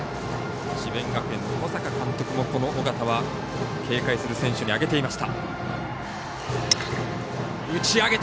智弁学園の小坂監督も緒方は警戒する選手に挙げていました。